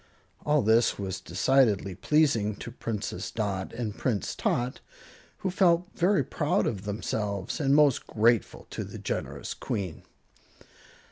All this was decidedly pleasing to Princess Dot and Prince Tot, who felt very proud of themselves and most grateful to the generous Queen.